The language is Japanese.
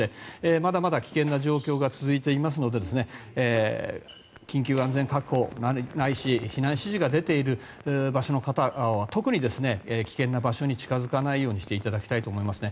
まだまだ危険な状況が続いていますので緊急安全確保ないし避難指示が出ている場所の方は特に危険な場所に近づかないようにしていただきたいですね。